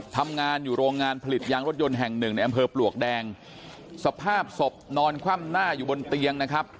ทำงานอยู่โรงงานผลิตยางรถยนต์แห่งหนึ่งในอำเภอปลวกแดงสภาพศพนอนคว่ำหน้าอยู่บนเตียงนะครับ